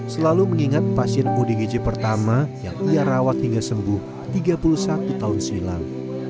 selalu mengingat pasien odgj pertama yang ia rawat hingga sembuh tiga puluh satu tahun silam